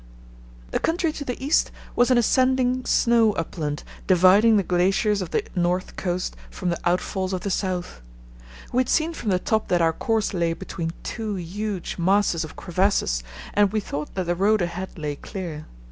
The country to the east was an ascending snow upland dividing the glaciers of the north coast from the outfalls of the south. We had seen from the top that our course lay between two huge masses of crevasses, and we thought that the road ahead lay clear.